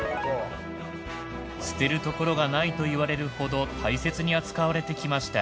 捨てるところがないといわれるほど大切に扱われてきました。